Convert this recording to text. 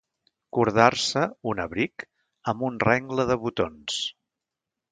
Cordar-se, un abric, amb un rengle de botons.